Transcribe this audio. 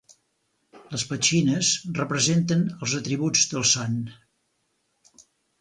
Les petxines representen els atributs del sant.